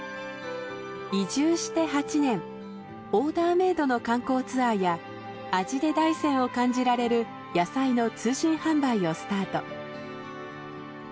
移住して８年オーダーメイドの観光ツアーや味で大山を感じられる野菜の通信販売をスタート。